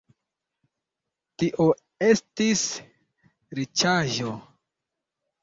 Tio estis riĉaĵo.